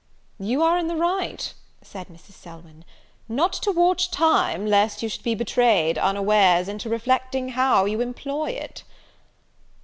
"You are in the right," said Mrs. Selwyn, "not to watch time, lest you should be betrayed, unawares, into reflecting how you employ it."